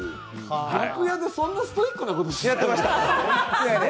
楽屋でそんなストイックなことしてたんですか。